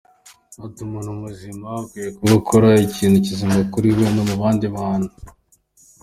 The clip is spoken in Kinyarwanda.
Ati “…Umuntu muzima akwiye kuba akora ikintu kizima kuri we no ku bandi bantu.